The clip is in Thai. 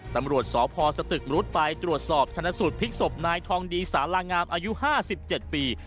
ตำรวจสพสตึกมรุษไปตรวจสอบชนะสูตรพลิกศพนายทองดีสารางามอายุ๕๗ปี